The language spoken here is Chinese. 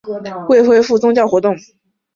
后海清真寺至今一直未恢复宗教活动。